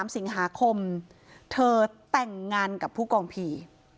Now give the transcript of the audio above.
๓สิงหาคมเธอแต่งงานกับผู้กองผี